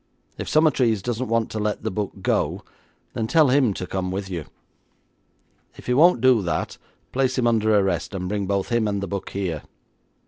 If Summertrees doesn't want to let the book go, then tell him to come with you. If he won't do that, place him under arrest, and bring both him and the book here.